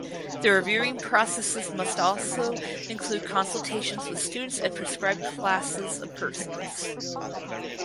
The reviewing processes must also include consultations with students and prescribed classes of persons.